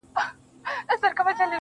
اوس يې څنگه ښه له ياده وباسم